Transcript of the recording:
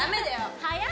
早い。